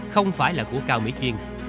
không phải là của cao mỹ kiên